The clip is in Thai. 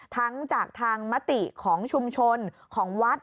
ทั้งจากทางมติของชุมชนของวัด